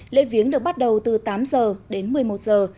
lễ viếng được bắt đầu từ tám giờ đến một mươi một giờ